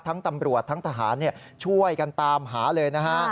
ตำรวจทั้งทหารช่วยกันตามหาเลยนะฮะ